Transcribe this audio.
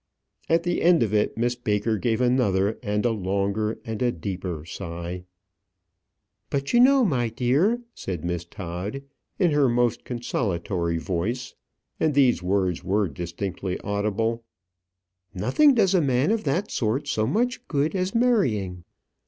At the end of it, Miss Baker gave another, and a longer, and a deeper sigh. "But you know, my dear," said Miss Todd, in her most consolatory voice, and these words were distinctly audible, "nothing does a man of that sort so much good as marrying."